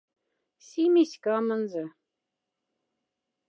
Сими ськамонза.